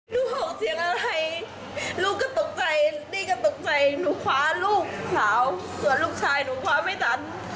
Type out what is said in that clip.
ลูกของเสียงอะไรลูกก็ตกใจนี่ก็ตกใจหนูคว้าลูกสาวส่วนลูกชายหนูคว้าไม่ทัน